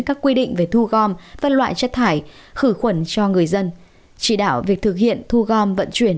các quy định về thu gom phân loại chất thải khử khuẩn cho người dân chỉ đạo việc thực hiện thu gom vận chuyển